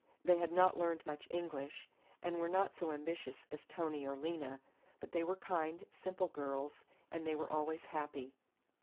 They had not learned much English, and were not so ambitious as Tony or Lena; but they were kind, simple girls and they were always happy.